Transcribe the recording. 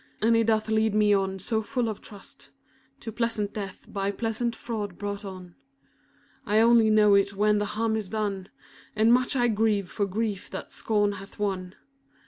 And he doth lead me on, so full of trust, To pleasant death by pleasant fraud brought on, 1° I only know it when the harm is done. And much I grieve for grief that scorn hath won.